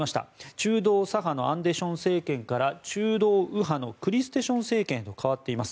中道左派のアンデション政権から中道右派のクリステション政権へ変わっています。